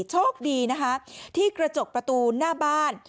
โชคดีนะคะที่กระจกประตูหน้าบ้าน